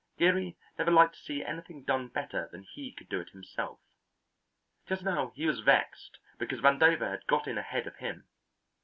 Geary never liked to see anything done better than he could do it himself. Just now he was vexed because Vandover had got in ahead of him.